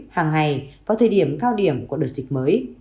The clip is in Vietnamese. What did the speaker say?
hàng ngày vào thời điểm cao điểm của đợt dịch mới